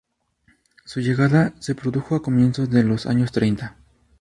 Su llegada se produjo a comienzos de los años treinta.